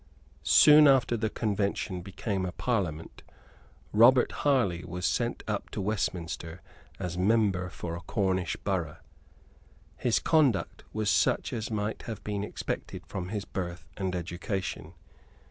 Soon after the Convention became a Parliament, Robert Harley was sent up to Westminster as member for a Cornish borough. His conduct was such as might have been expected from his birth and education.